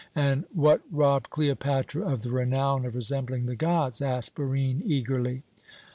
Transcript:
"And what robbed Cleopatra of the renown of resembling the gods?" asked Barine eagerly.